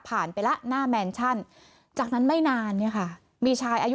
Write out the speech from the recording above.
ไปแล้วหน้าแมนชั่นจากนั้นไม่นานเนี่ยค่ะมีชายอายุ